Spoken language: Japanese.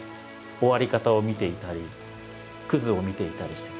終わり方を見ていたりくずを見ていたりしてる。